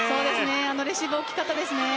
あのレシーブは大きかったですね。